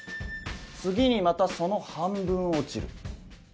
次にまたその半分落ちる。